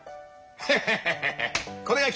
ヘヘヘヘ！